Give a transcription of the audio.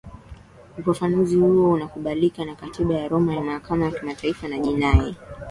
ufafanuzi huo ulikubalika na katiba ya roma ya mahakama ya kimataifa ya jinai